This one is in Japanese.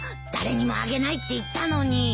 誰にもあげないって言ったのに。